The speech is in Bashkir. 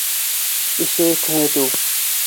— Нишләйек һуң әтеү?